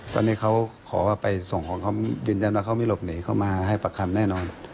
ตอนนี้เขาขอว่าไปส่งของเขายืนยันว่าเขาไม่หลบหนีเขามาให้ปากคำแน่นอน